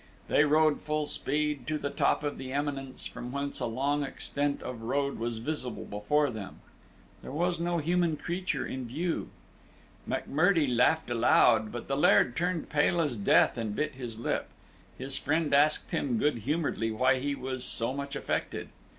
They rode full speed to the top of the eminence from whence a long extent of road was visible before them there was no human creature in view. McMurdie laughed aloud, but the Laird turned pale as death and bit his lip. His friend asked him good humoredly why he was so much affected.